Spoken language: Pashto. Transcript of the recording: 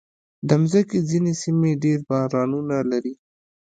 د مځکې ځینې سیمې ډېر بارانونه لري.